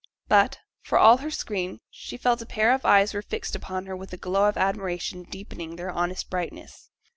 But, for all her screen, she felt a pair of eyes were fixed upon her with a glow of admiration deepening their honest brightness.